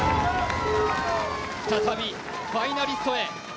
再びファイナリストへ。